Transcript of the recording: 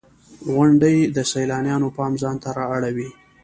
• غونډۍ د سیلانیانو پام ځان ته را اړوي.